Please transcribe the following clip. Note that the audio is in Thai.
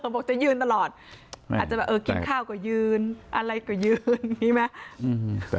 บอกจะยืนตลอดอาจจะแบบเออกินข้าวก็ยืนอะไรก็ยืนอย่างนี้ไหม